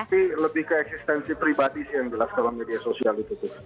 tapi lebih ke eksistensi pribadi sih yang jelas dalam media sosial itu tuh